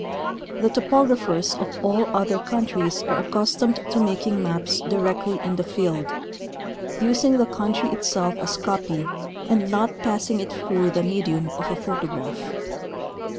The topographers of all other countries are accustomed to making maps directly in the field, using the country itself as copy, and not passing it through the medium of a photograph.